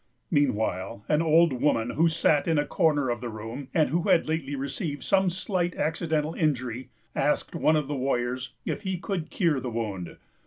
Meanwhile, an old woman, who sat in a corner of the room, and who had lately received some slight accidental injury, asked one of the warriors if he could cure the wound.